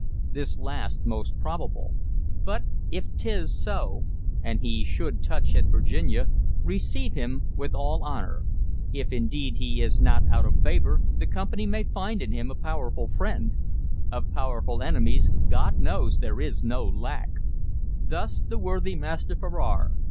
This last most improbable; but if 't is so, and he should touch at Virginia, receive him with all honor. If indeed he is not out of favor, the Company may find in him a powerful friend; of powerful enemies, God knows, there is no lack!" Thus the worthy Master Ferrar.